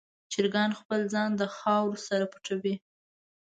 چرګان خپل ځان د خاورو سره پټوي.